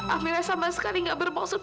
amirah sama sekali tidak bermaksud